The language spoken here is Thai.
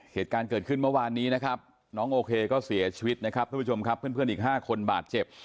เหตุการณ์เกิดขึ้นเมื่อวานนี้นะครับน้องโอเคก็เสียชีวิตนะครับทุกผู้ชมครับเพื่อนอีก๕คนบาดเจ็บ